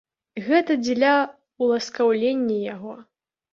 Гэта дзеля ўласкаўлення яго.